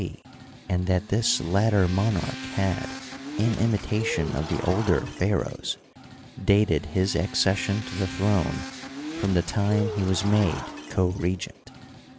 c, and that this latter monarch had, in imitation of the older pharaohs, dated his accession to the throne from the time he was made co regent.